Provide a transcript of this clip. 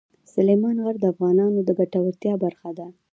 سلیمان غر د افغانانو د ګټورتیا برخه ده.